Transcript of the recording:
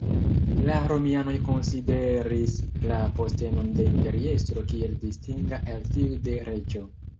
La Romianoj konsideris la postenon de imperiestro kiel distinga el tiu de reĝo.